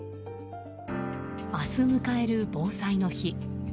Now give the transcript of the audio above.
明日迎える防災の日。